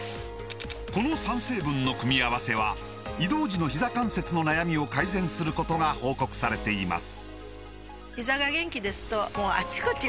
この３成分の組み合わせは移動時のひざ関節の悩みを改善することが報告されています